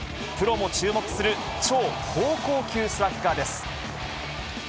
プロも注目する超高校級スラッガーです。